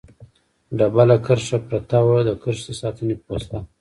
ډبله کرښه پرته وه، د کرښې د ساتنې پوسته.